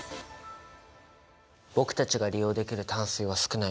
僕たちが利用できる淡水は少ない。